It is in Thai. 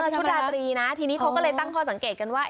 ชุดราตรีนะทีนี้เขาก็เลยตั้งข้อสังเกตกันว่า